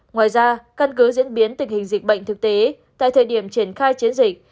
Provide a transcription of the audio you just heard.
ngoài ra căn cứ diễn biến tình hình dịch bệnh thực tế tại thời điểm triển khai chiến dịch